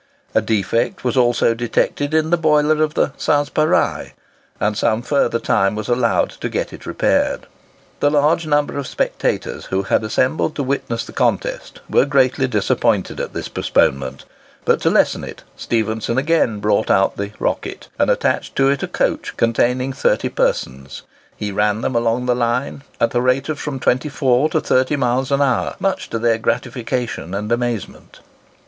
A defect was also detected in the boiler of the "Sanspareil;" and some further time was allowed to get it repaired. The large number of spectators who had assembled to witness the contest were greatly disappointed at this postponement; but, to lessen it, Stephenson again brought out the "Rocket," and, attaching to it a coach containing thirty persons, he ran them along the line at the rate of from 24 to 30 miles an hour, much to their gratification and amazement.